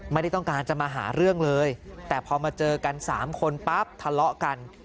ไม่ได้ต้องการจะมาหาเรื่องเลยแต่พอมาเจอกัน๓คนปั๊บทะเลาะกัน